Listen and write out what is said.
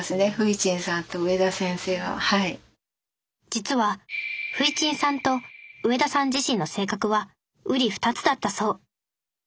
実はフイチンさんと上田さん自身の性格はうり二つだったそう。